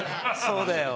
そうだよ。